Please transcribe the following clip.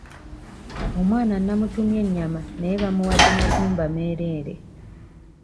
Omwana namutumye ennyama naye bamuwadde magumba meereere.